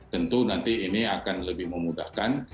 tentu nanti ini akan lebih memudahkan